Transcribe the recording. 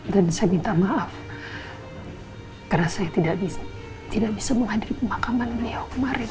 dan saya minta maaf karena saya tidak bisa menghadiri pemakaman beliau kemarin